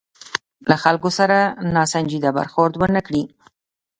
له خلکو سره ناسنجیده برخورد ونه کړي.